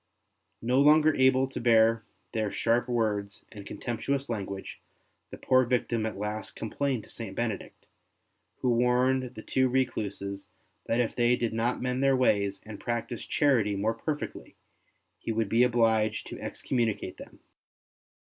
No longer able to bear their sharp words and contemptuous language, the poor victim at last complained to St. Benedict, 70 ST. BENEDICT who warned the two recluses that if they did not mend their ways and practise charity more perfectly, he would be obliged to ex communicate them.